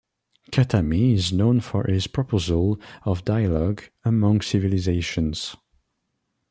Khatami is known for his proposal of Dialogue Among Civilizations.